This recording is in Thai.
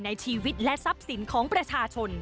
ในชีวิตและทรัพย์สินของประชาชน